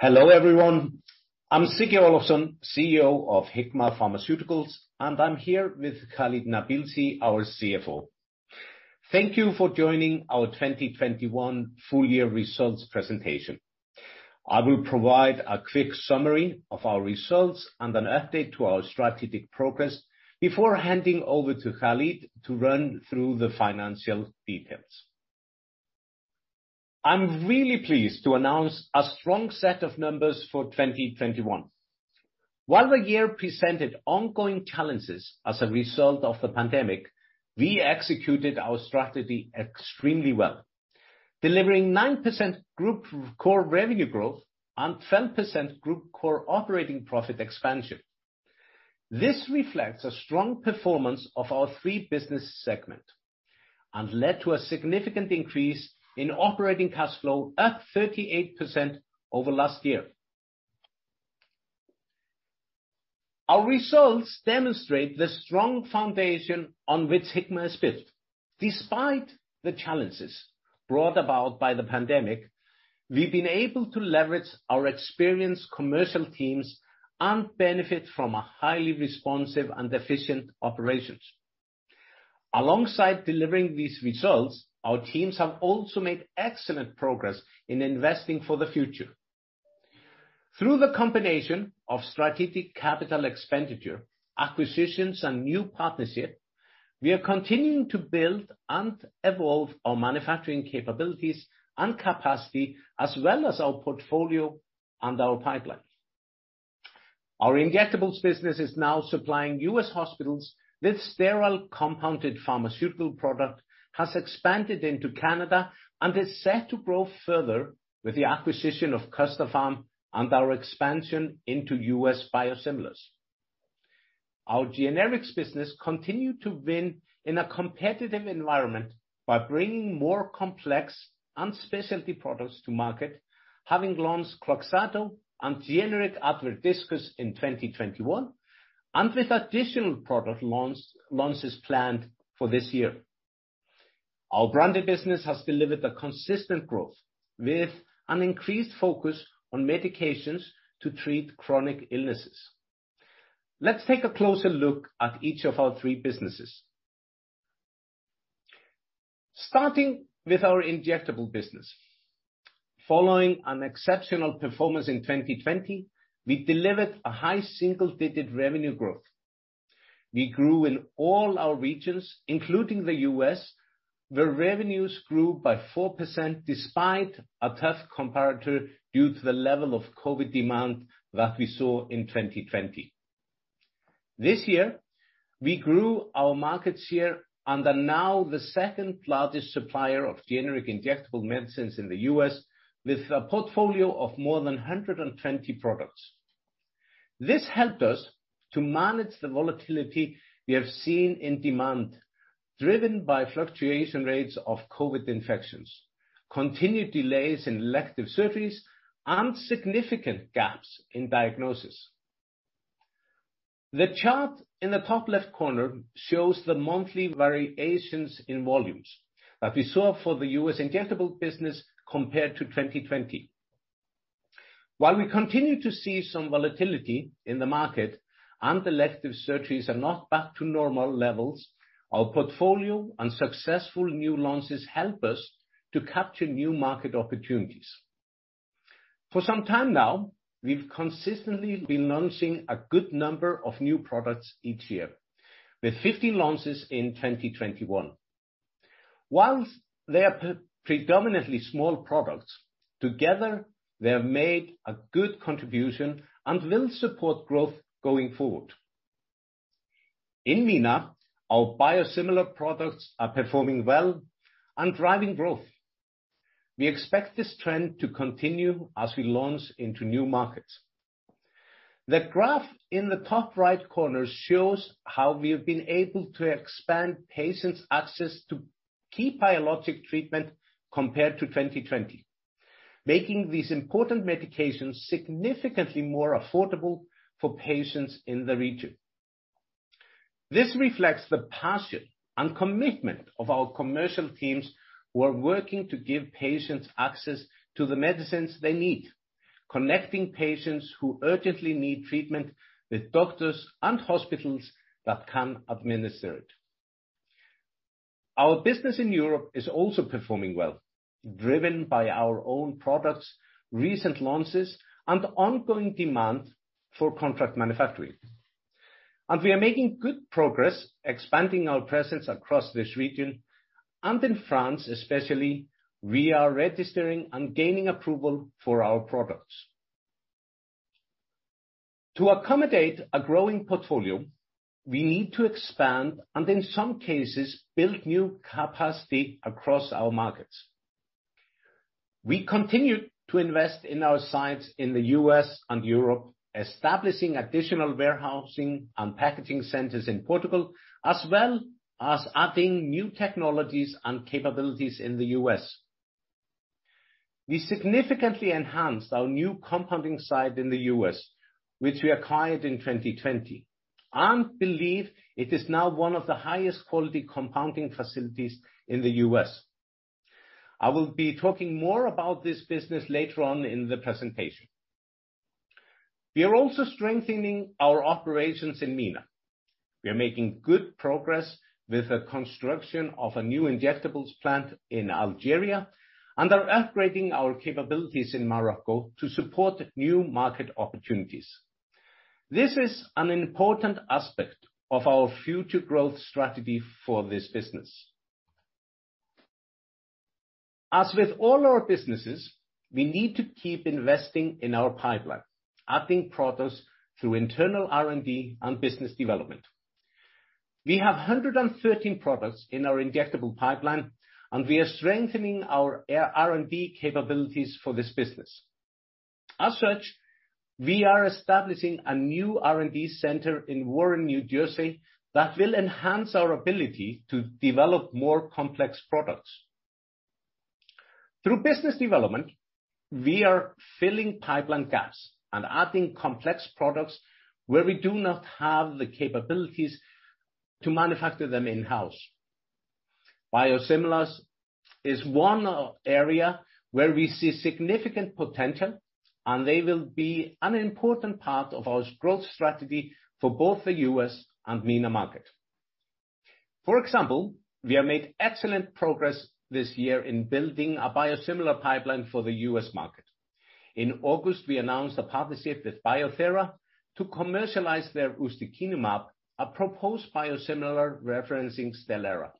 Hello, everyone. I'm Siggi Olafsson, CEO of Hikma Pharmaceuticals, and I'm here with Khalid Nabilsi, our CFO. Thank you for joining our 2021 full year results presentation. I will provide a quick summary of our results and an update to our strategic progress before handing over to Khalid to run through the financial details. I'm really pleased to announce a strong set of numbers for 2021. While the year presented ongoing challenges as a result of the pandemic, we executed our strategy extremely well, delivering 9% group core revenue growth and 12% group core operating profit expansion. This reflects a strong performance of our three-business segment and led to a significant increase in operating cash flow at 38% over last year. Our results demonstrate the strong foundation on which Hikma is built. Despite the challenges brought about by the pandemic, we've been able to leverage our experienced commercial teams and benefit from a highly responsive and efficient operations. Alongside delivering these results, our teams have also made excellent progress in investing for the future. Through the combination of strategic capital expenditure, acquisitions, and new partnership, we are continuing to build and evolve our manufacturing capabilities and capacity, as well as our portfolio and our pipeline. Our injectables business is now supplying U.S. hospitals with sterile compounded pharmaceutical product, has expanded into Canada, and is set to grow further with the acquisition of Custopharm and our expansion into U.S. biosimilars. Our generics business continue to win in a competitive environment by bringing more complex and specialty products to market, having launched cloxacillin and generic Advair Diskus in 2021, and with additional product launches planned for this year. Our branded business has delivered a consistent growth with an increased focus on medications to treat chronic illnesses. Let's take a closer look at each of our three businesses. Starting with our injectable business. Following an exceptional performance in 2020, we delivered a high single-digit revenue growth. We grew in all our regions, including the U.S., where revenues grew by 4% despite a tough comparator due to the level of COVID demand that we saw in 2020. This year, we grew our market share and are now the second largest supplier of generic injectable medicines in the U.S. with a portfolio of more than 120 products. This helped us to manage the volatility we have seen in demand, driven by fluctuation rates of COVID infections, continued delays in elective surgeries, and significant gaps in diagnosis. The chart in the top left corner shows the monthly variations in volumes that we saw for the U.S. injectable business compared to 2020. While we continue to see some volatility in the market and elective surgeries are not back to normal levels, our portfolio and successful new launches help us to capture new market opportunities. For some time now, we've consistently been launching a good number of new products each year with 50 launches in 2021. While they are predominantly small products, together, they have made a good contribution and will support growth going forward. In MENA, our biosimilar products are performing well and driving growth. We expect this trend to continue as we launch into new markets. The graph in the top right corner shows how we have been able to expand patients' access to key biologic treatment compared to 2020, making these important medications significantly more affordable for patients in the region. This reflects the passion and commitment of our commercial teams who are working to give patients access to the medicines they need, connecting patients who urgently need treatment with doctors and hospitals that can administer it. Our business in Europe is also performing well, driven by our own products, recent launches, and ongoing demand for contract manufacturing. We are making good progress expanding our presence across this region. In France, especially, we are registering and gaining approval for our products. To accommodate a growing portfolio, we need to expand, and in some cases, build new capacity across our markets. We continue to invest in our sites in the U.S. and Europe, establishing additional warehousing and packaging centers in Portugal, as well as adding new technologies and capabilities in the U.S. We significantly enhanced our new compounding site in the U.S., which we acquired in 2020 and believe it is now one of the highest quality compounding facilities in the U.S. I will be talking more about this business later on in the presentation. We are also strengthening our operations in MENA. We are making good progress with the construction of a new injectables plant in Algeria and are upgrading our capabilities in Morocco to support new market opportunities. This is an important aspect of our future growth strategy for this business. As with all our businesses, we need to keep investing in our pipeline, adding products through internal R&D and business development. We have 113 products in our injectable pipeline, and we are strengthening our R&D capabilities for this business. As such, we are establishing a new R&D center in Warren, New Jersey, that will enhance our ability to develop more complex products. Through business development, we are filling pipeline gaps and adding complex products where we do not have the capabilities to manufacture them in-house. Biosimilars is one area where we see significant potential, and they will be an important part of our growth strategy for both the U.S. and MENA market. For example, we have made excellent progress this year in building a biosimilar pipeline for the U.S. market. In August, we announced a partnership with Bio-Thera to commercialize their ustekinumab, a proposed biosimilar referencing Stelara.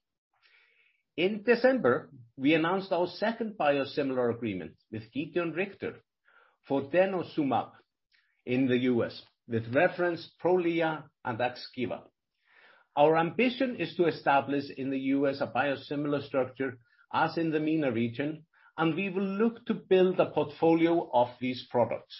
In December, we announced our second biosimilar agreement with Gedeon Richter for denosumab in the U.S., with reference Prolia and Xgeva. Our ambition is to establish in the U.S. a biosimilar structure as in the MENA region, and we will look to build a portfolio of these products.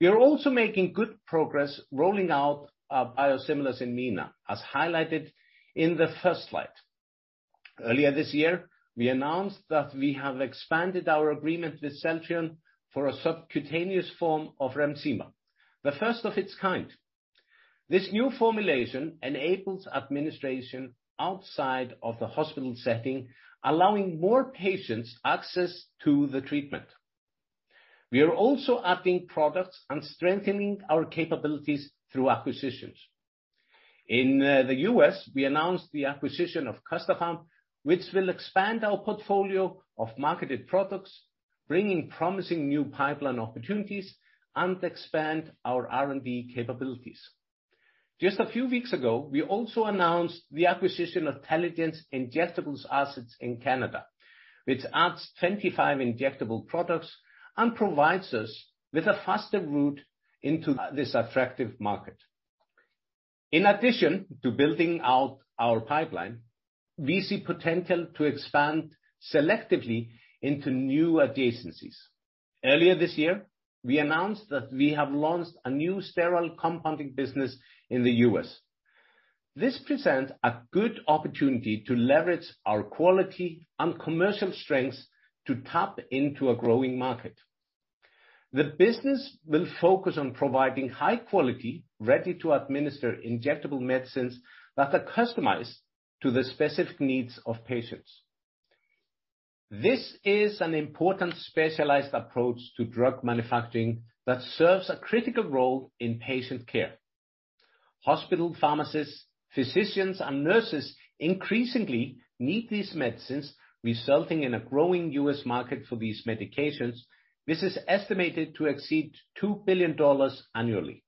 We are also making good progress rolling out biosimilars in MENA, as highlighted in the first slide. Earlier this year, we announced that we have expanded our agreement with Celltrion for a subcutaneous form of Remsima, the first of its kind. This new formulation enables administration outside of the hospital setting, allowing more patients access to the treatment. We are also adding products and strengthening our capabilities through acquisitions. In the U.S., we announced the acquisition of Custopharm, which will expand our portfolio of marketed products, bringing promising new pipeline opportunities and expand our R&D capabilities. Just a few weeks ago, we also announced the acquisition of Teligent injectables assets in Canada, which adds 25 injectable products and provides us with a faster route into this attractive market. In addition to building out our pipeline, we see potential to expand selectively into new adjacencies. Earlier this year, we announced that we have launched a new sterile compounding business in the U.S. This presents a good opportunity to leverage our quality and commercial strengths to tap into a growing market. The business will focus on providing high quality, ready-to-administer injectable medicines that are customized to the specific needs of patients. This is an important specialized approach to drug manufacturing that serves a critical role in patient care. Hospital pharmacists, physicians, and nurses increasingly need these medicines, resulting in a growing U.S. market for these medications. This is estimated to exceed $2 billion annually.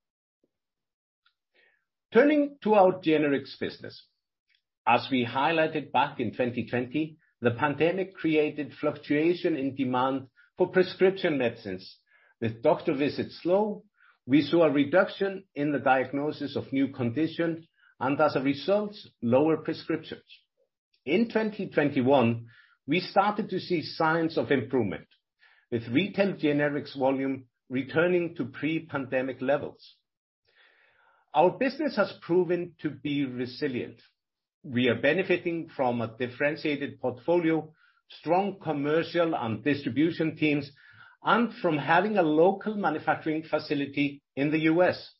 Turning to our generics business. As we highlighted back in 2020, the pandemic created fluctuation in demand for prescription medicines. With doctor visits slow, we saw a reduction in the diagnosis of new conditions and as a result, lower prescriptions. In 2021, we started to see signs of improvement, with retail generics volume returning to pre-pandemic levels. Our business has proven to be resilient. We are benefiting from a differentiated portfolio, strong commercial and distribution teams, and from having a local manufacturing facility in the U.S.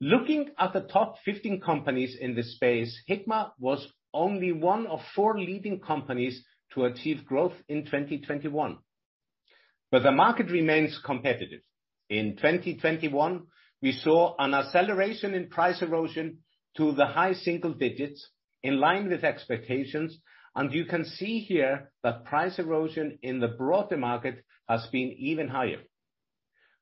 Looking at the top 15 companies in this space, Hikma was only one of four leading companies to achieve growth in 2021. The market remains competitive. In 2021, we saw an acceleration in price erosion to the high single digits in line with expectations, and you can see here that price erosion in the broader market has been even higher.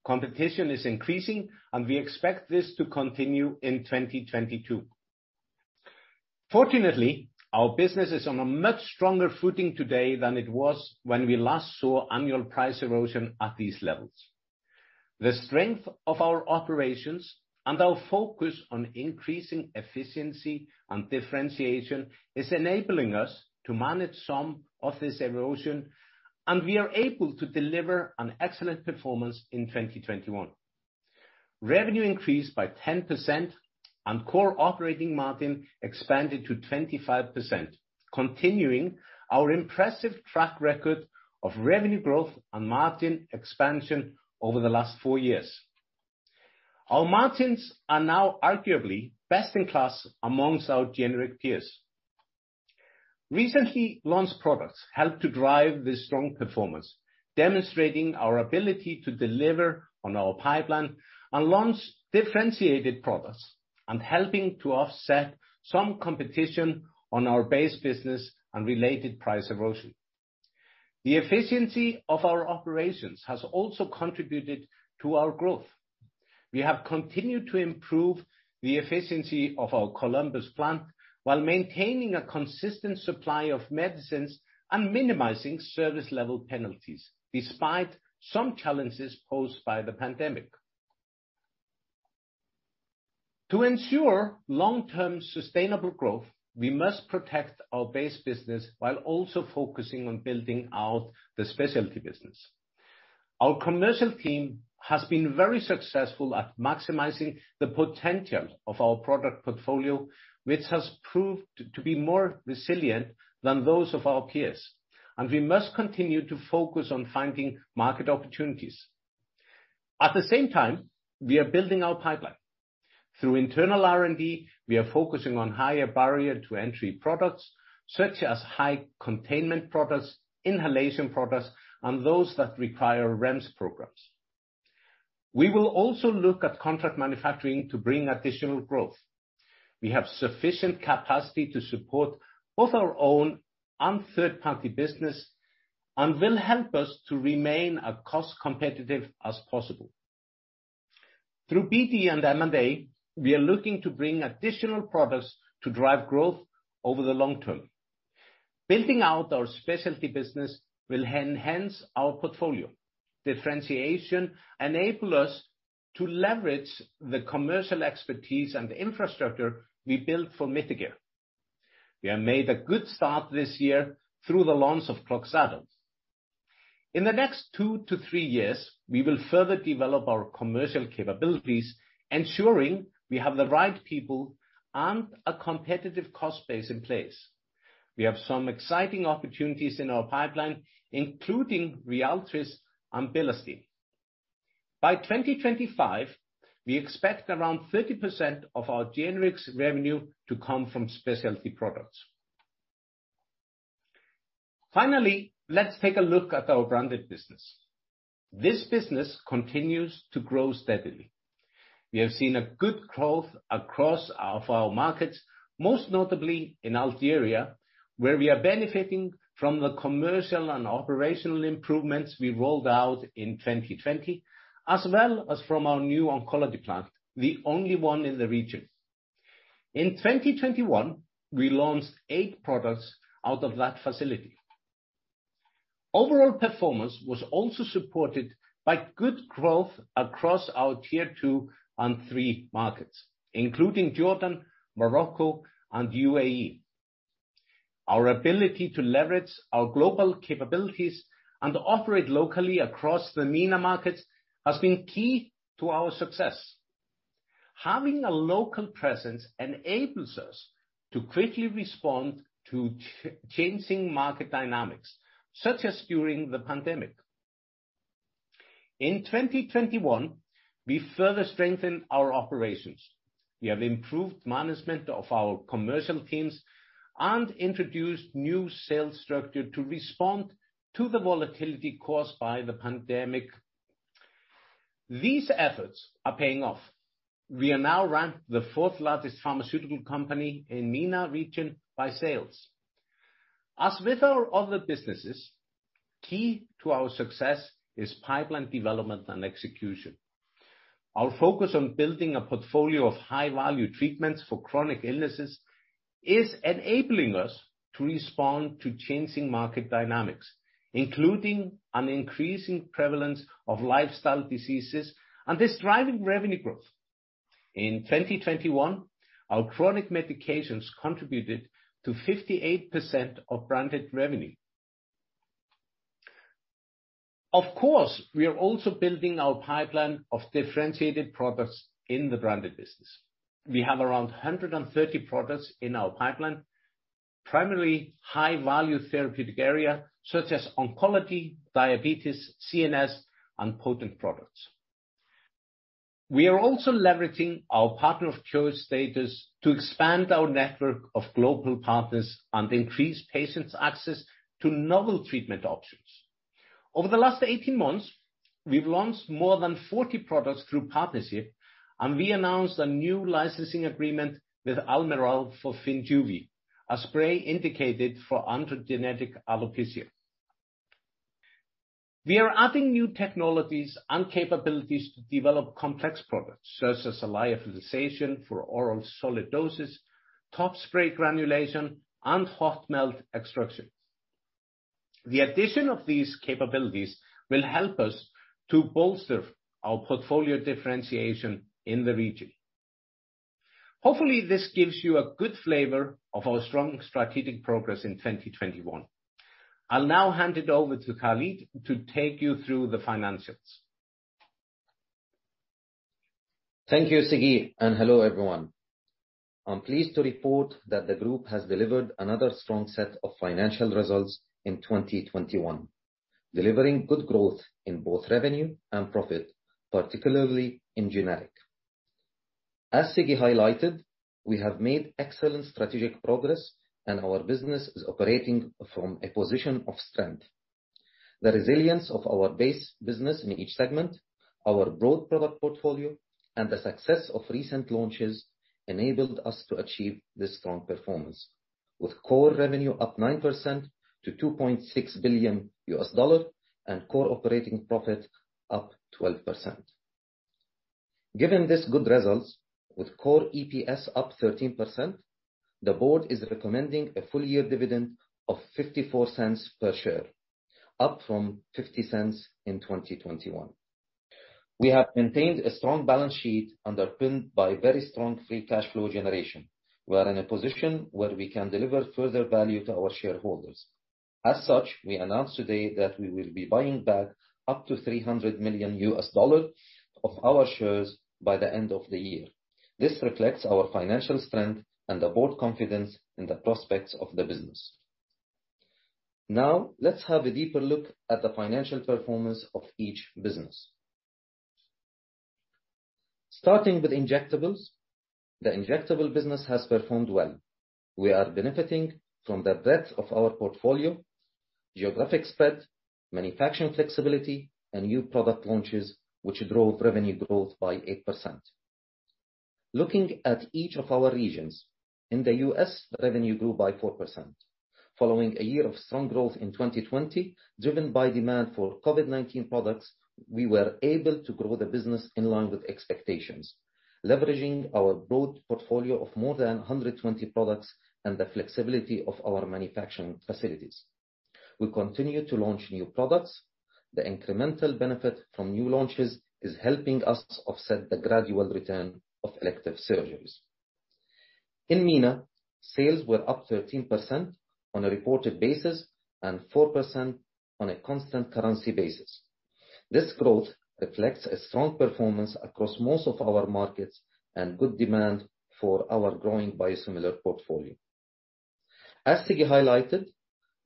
Competition is increasing, and we expect this to continue in 2022. Fortunately, our business is on a much stronger footing today than it was when we last saw annual price erosion at these levels. The strength of our operations and our focus on increasing efficiency and differentiation is enabling us to manage some of this erosion, and we are able to deliver an excellent performance in 2021. Revenue increased by 10%. Core operating margin expanded to 25%, continuing our impressive track record of revenue growth and margin expansion over the last four years. Our margins are now arguably best in class amongst our generic peers. Recently launched products helped to drive this strong performance, demonstrating our ability to deliver on our pipeline and launch differentiated products, and helping to offset some competition on our base business and related price erosion. The efficiency of our operations has also contributed to our growth. We have continued to improve the efficiency of our Columbus plant while maintaining a consistent supply of medicines and minimizing service level penalties, despite some challenges posed by the pandemic. To ensure long-term sustainable growth, we must protect our base business while also focusing on building out the specialty business. Our commercial team has been very successful at maximizing the potential of our product portfolio, which has proved to be more resilient than those of our peers, and we must continue to focus on finding market opportunities. At the same time, we are building our pipeline. Through internal R&D, we are focusing on higher barrier to entry products, such as high containment products, inhalation products, and those that require REMS programs. We will also look at contract manufacturing to bring additional growth. We have sufficient capacity to support both our own and third-party business and will help us to remain as cost competitive as possible. Through BD and M&A, we are looking to bring additional products to drive growth over the long term. Building out our specialty business will enhance our portfolio. Differentiation enable us to leverage the commercial expertise and infrastructure we built for Mitigare. We have made a good start this year through the launch of Kloxxado. In the next two to three years, we will further develop our commercial capabilities, ensuring we have the right people and a competitive cost base in place. We have some exciting opportunities in our pipeline, including RYALTRIS and Bilastine. By 2025, we expect around 30% of our generics revenue to come from specialty products. Finally, let's take a look at our branded business. This business continues to grow steadily. We have seen a good growth across our markets, most notably in Algeria, where we are benefiting from the commercial and operational improvements, we rolled out in 2020, as well as from our new oncology plant, the only one in the region. In 2021, we launched eight products out of that facility. Overall performance was also supported by good growth across our tier two and three markets, including Jordan, Morocco, and UAE. Our ability to leverage our global capabilities and operate locally across the MENA markets has been key to our success. Having a local presence enables us to quickly respond to changing market dynamics, such as during the pandemic. In 2021, we further strengthened our operations. We have improved management of our commercial teams and introduced new sales structure to respond to the volatility caused by the pandemic. These efforts are paying off. We are now ranked the fourth largest pharmaceutical company in MENA region by sales. As with our other businesses, key to our success is pipeline development and execution. Our focus on building a portfolio of high-value treatments for chronic illnesses is enabling us to respond to changing market dynamics, including an increasing prevalence of lifestyle diseases and is driving revenue growth. In 2021, our chronic medications contributed to 58% of branded revenue. Of course, we are also building our pipeline of differentiated products in the branded business. We have around 130 products in our pipeline, primarily high-value therapeutic area, such as oncology, diabetes, CNS, and potent products. We are also leveraging our partner of choice status to expand our network of global partners and increase patients' access to novel treatment options. Over the last 18 months, we've launched more than 40 products through partnership, and we announced a new licensing agreement with Almirall for Finjuve, a spray indicated for androgenetic alopecia. We are adding new technologies and capabilities to develop complex products, such as lyophilization for oral solid doses, top spray granulation, and hot melt extrusion. The addition of these capabilities will help us to bolster our portfolio differentiation in the region. Hopefully, this gives you a good flavor of our strong strategic progress in 2021. I'll now hand it over to Khalid to take you through the financials. Thank you, Siggi, and hello everyone. I'm pleased to report that the group has delivered another strong set of financial results in 2021, delivering good growth in both revenue and profit, particularly in Generics. As Siggi highlighted, we have made excellent strategic progress, and our business is operating from a position of strength. The resilience of our base business in each segment, our broad product portfolio, and the success of recent launches enabled us to achieve this strong performance with core revenue up 9% to $2.6 billion and core operating profit up 12%. Given these good results with core EPS up 13%, the board is recommending a full year dividend of $0.54 per share, up from $0.50 in 2021. We have maintained a strong balance sheet underpinned by very strong free cash flow generation. We are in a position where we can deliver further value to our shareholders. As such, we announce today that we will be buying back up to $300 million of our shares by the end of the year. This reflects our financial strength and the board confidence in the prospects of the business. Now, let's have a deeper look at the financial performance of each business. Starting with injectables. The injectable business has performed well. We are benefiting from the breadth of our portfolio, geographic spread, manufacturing flexibility, and new product launches, which drove revenue growth by 8%. Looking at each of our regions, in the U.S., revenue grew by 4%. Following a year of strong growth in 2020, driven by demand for COVID-19 products, we were able to grow the business in line with expectations, leveraging our broad portfolio of more than 120 products and the flexibility of our manufacturing facilities. We continue to launch new products. The incremental benefit from new launches is helping us offset the gradual return of elective surgeries. In MENA, sales were up 13% on a reported basis and 4% on a constant currency basis. This growth reflects a strong performance across most of our markets and good demand for our growing biosimilar portfolio. As Siggi highlighted,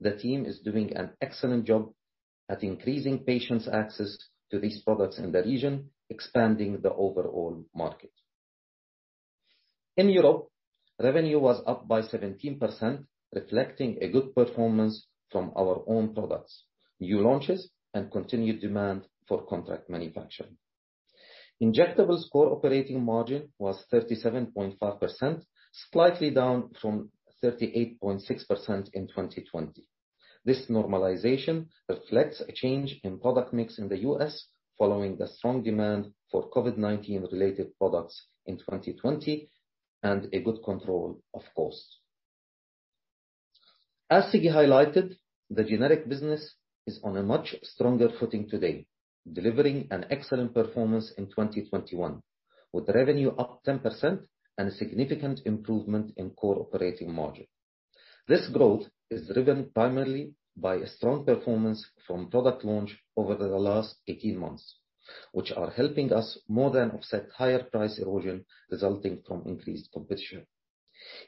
the team is doing an excellent job at increasing patients' access to these products in the region, expanding the overall market. In Europe, revenue was up by 17%, reflecting a good performance from our own products, new launches, and continued demand for contract manufacturing. Injectables core operating margin was 37.5%, slightly down from 38.6% in 2020. This normalization reflects a change in product mix in the U.S. following the strong demand for COVID-19 related products in 2020 and a good control of costs. As Siggi highlighted, the generic business is on a much stronger footing today, delivering an excellent performance in 2021, with revenue up 10% and a significant improvement in core operating margin. This growth is driven primarily by a strong performance from product launch over the last 18 months, which are helping us more than offset higher price erosion resulting from increased competition.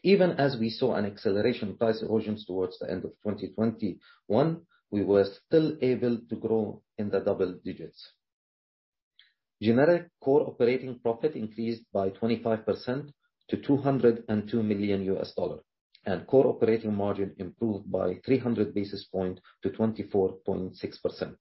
Even as we saw an acceleration in price erosions towards the end of 2021, we were still able to grow in the double digits. Generic core operating profit increased by 25% to $202 million, and core operating margin improved by 300 basis points to 24.6%.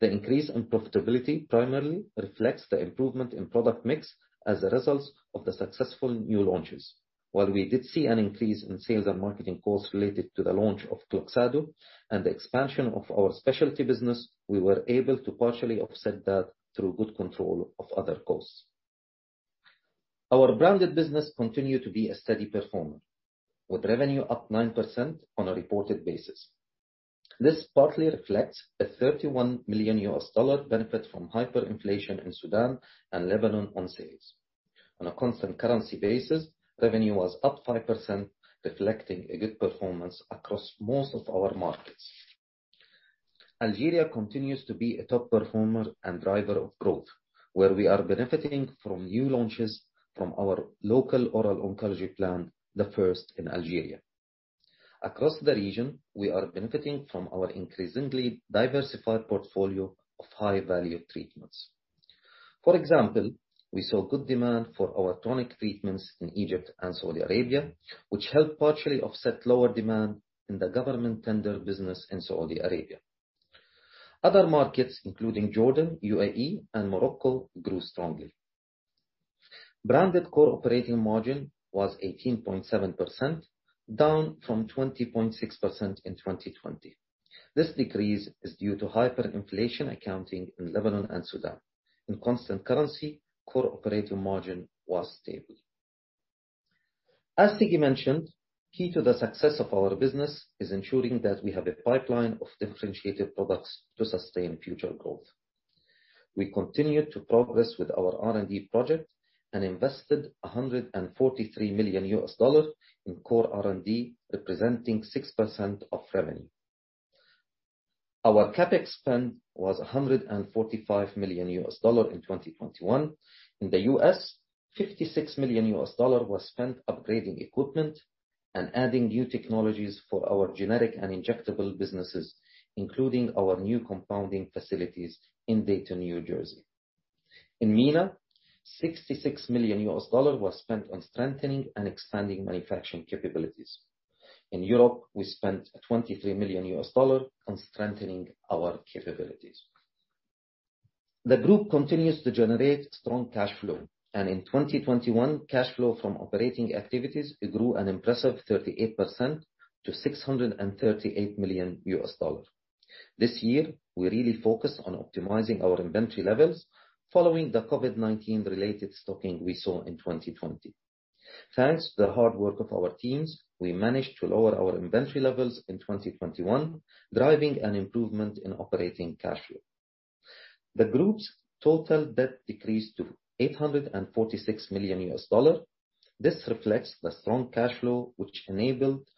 The increase in profitability primarily reflects the improvement in product mix as a result of the successful new launches. While we did see an increase in sales and marketing costs related to the launch of Kloxxado and the expansion of our specialty business, we were able to partially offset that through good control of other costs. Our branded business continued to be a steady performer, with revenue up 9% on a reported basis. This partly reflects a $31 million benefit from hyperinflation in Sudan and Lebanon on sales. On a constant currency basis, revenue was up 5%, reflecting a good performance across most of our markets. Algeria continues to be a top performer and driver of growth, where we are benefiting from new launches from our local oral oncology plant, the first in Algeria. Across the region, we are benefiting from our increasingly diversified portfolio of high-value treatments. For example, we saw good demand for our tonic treatments in Egypt and Saudi Arabia, which helped partially offset lower demand in the government tender business in Saudi Arabia. Other markets, including Jordan, UAE, and Morocco, grew strongly. Branded core operating margin was 18.7%, down from 20.6% in 2020. This decrease is due to hyperinflation accounting in Lebanon and Sudan. In constant currency, core operating margin was stable. As Siggi mentioned, key to the success of our business is ensuring that we have a pipeline of differentiated products to sustain future growth. We continued to progress with our R&D project and invested $143 million in core R&D, representing 6% of revenue. Our CapEx spend was $145 million in 2021. In the U.S., $56 million was spent upgrading equipment and adding new technologies for our generic and injectable businesses, including our new compounding facilities in Dayton, New Jersey. In MENA, $66 million was spent on strengthening and expanding manufacturing capabilities. In Europe, we spent $23 million on strengthening our capabilities. The group continues to generate strong cash flow, and in 2021, cash flow from operating activities grew an impressive 38% to $638 million. This year, we really focused on optimizing our inventory levels following the COVID-19 related stocking we saw in 2020. Thanks to the hard work of our teams, we managed to lower our inventory levels in 2021, driving an improvement in operating cash flow. The group's total debt decreased to $846 million. This reflects the strong cash flow which enabled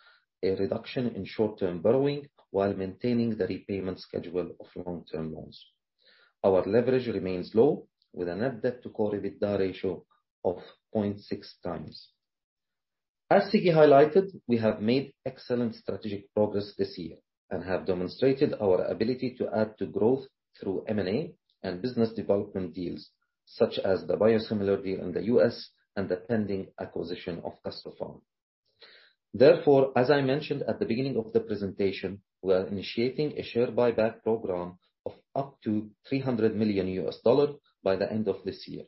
a reduction in short-term borrowing while maintaining the repayment schedule of long-term loans. Our leverage remains low, with a net debt to core EBITDA ratio of 0.6x. As Siggi highlighted, we have made excellent strategic progress this year and have demonstrated our ability to add to growth through M&A and business development deals such as the biosimilar deal in the U.S. and the pending acquisition of Custopharm. Therefore, as I mentioned at the beginning of the presentation, we are initiating a share buyback program of up to $300 million by the end of this year.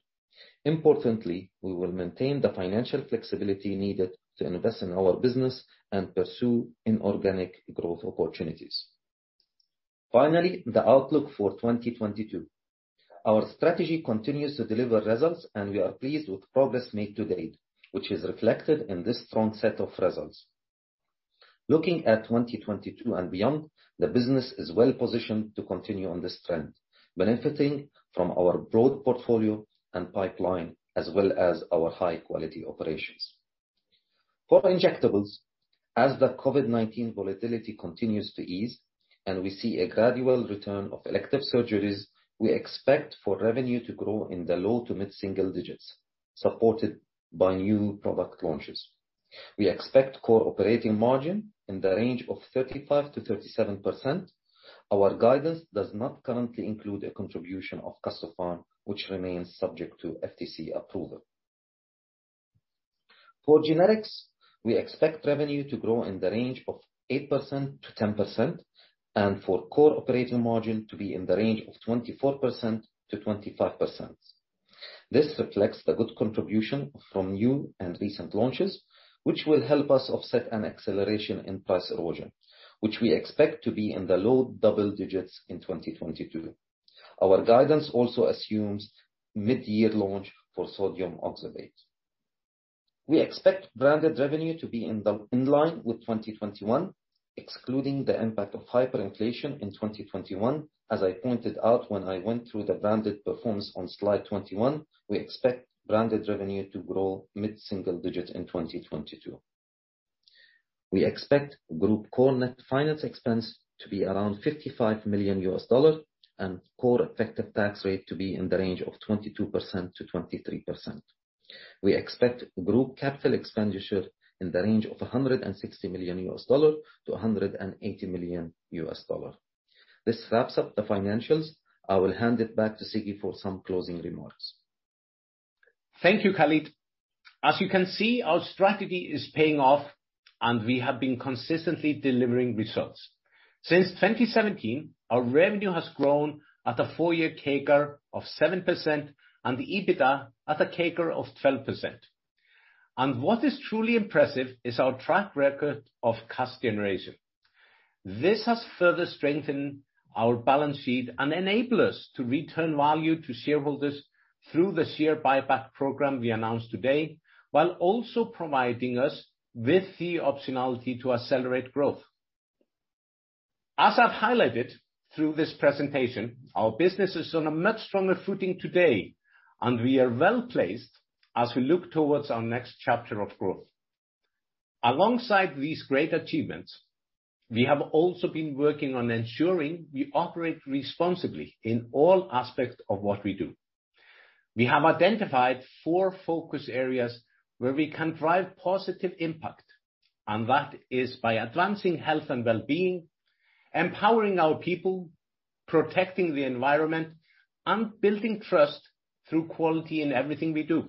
Importantly, we will maintain the financial flexibility needed to invest in our business and pursue inorganic growth opportunities. Finally, the outlook for 2022. Our strategy continues to deliver results, and we are pleased with progress made to date, which is reflected in this strong set of results. Looking at 2022 and beyond, the business is well-positioned to continue on this trend, benefiting from our broad portfolio and pipeline as well as our high-quality operations. For injectables, as the COVID-19 volatility continues to ease and we see a gradual return of elective surgeries, we expect for revenue to grow in the low- to mid-single-digit%, supported by new product launches. We expect core operating margin in the range of 35%-37%. Our guidance does not currently include a contribution of Custopharm, which remains subject to FTC approval. For generics, we expect revenue to grow in the range of 8%-10% and for core operating margin to be in the range of 24%-25%. This reflects the good contribution from new and recent launches, which will help us offset an acceleration in price erosion, which we expect to be in the low double digits in 2022. Our guidance also assumes mid-year launch for sodium oxybate. We expect branded revenue to be in line with 2021, excluding the impact of hyperinflation in 2021. As I pointed out when I went through the branded performance on slide 21, we expect branded revenue to grow mid-single digits in 2022. We expect group core net finance expense to be around $55 million and core effective tax rate to be in the range of 22%-23%. We expect group capital expenditure in the range of $160 million-$180 million. This wraps up the financials. I will hand it back to Siggi for some closing remarks. Thank you, Khalid. As you can see, our strategy is paying off, and we have been consistently delivering results. Since 2017, our revenue has grown at a four-year CAGR of 7% and the EBITDA at a CAGR of 12%. What is truly impressive is our track record of cash generation. This has further strengthened our balance sheet and enable us to return value to shareholders through the share buyback program we announced today, while also providing us with the optionality to accelerate growth. As I've highlighted through this presentation, our business is on a much stronger footing today, and we are well-placed as we look towards our next chapter of growth. Alongside these great achievements, we have also been working on ensuring we operate responsibly in all aspects of what we do. We have identified four focus areas where we can drive positive impact, and that is by advancing health and wellbeing, empowering our people, protecting the environment, and building trust through quality in everything we do.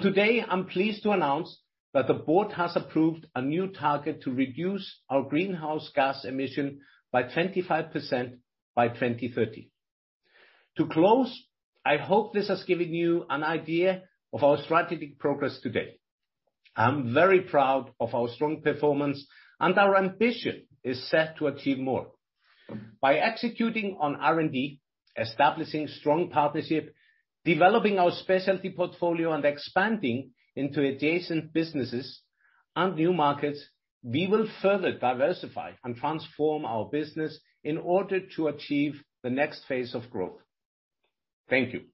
Today, I'm pleased to announce that the board has approved a new target to reduce our greenhouse gas emission by 25% by 2030. To close, I hope this has given you an idea of our strategic progress to date. I'm very proud of our strong performance, and our ambition is set to achieve more. By executing on R&D, establishing strong partnership, developing our specialty portfolio, and expanding into adjacent businesses and new markets, we will further diversify and transform our business in order to achieve the next phase of growth. Thank you.